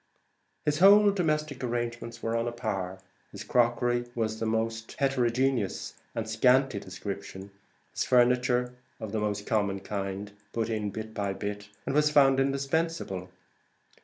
His whole domestic arrangements were on a par: his crockery was of a most heterogeneous and scanty description; his furniture of the most common kind, put in bit by bit, as it was found indispensable.